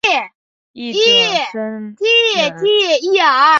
一者生忍。